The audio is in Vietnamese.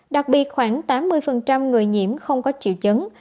đặc biệt khoảng tám mươi người nhiễm không có triệu chứng